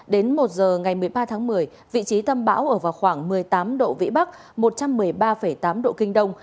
đến một giờ ngày một mươi ba tháng một mươi vị trí tâm bão ở vào khoảng một mươi tám độ vĩ bắc một trăm một mươi ba tám độ kinh đông